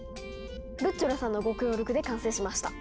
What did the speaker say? ルッチョラさんのご協力で完成しました。